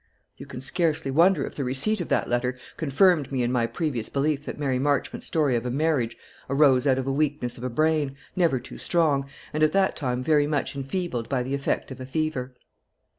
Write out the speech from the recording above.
"You can scarcely wonder if the receipt of that letter confirmed me in my previous belief that Mary Marchmont's story of a marriage arose out of the weakness of a brain, never too strong, and at that time very much enfeebled by the effect of a fever."